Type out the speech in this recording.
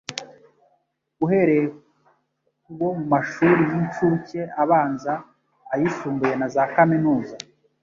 uhereye ku bo mu mashuri y'incuke, abanza, ayisumbuye na za kaminuza.